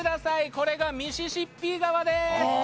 これがミシシッピ川です！